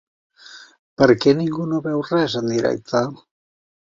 Per què ningú no veu res en directe?